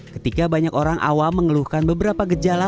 ketika banyak orang awam mengeluhkan beberapa gejala